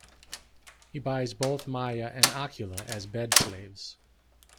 He buys both Maia and Occula as "bed-slaves".